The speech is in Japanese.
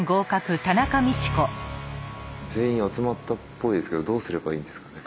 全員集まったっぽいですけどどうすればいいんですかね？